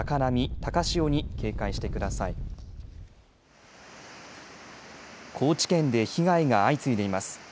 高知県で被害が相次いでいます。